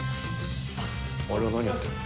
あれは何やってんだ？